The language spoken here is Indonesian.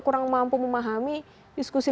kurang mampu memahami diskusi